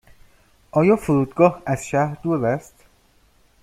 آیا فرودگاه از شهر دور است؟